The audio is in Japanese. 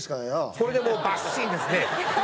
これでもうバシン！ですね。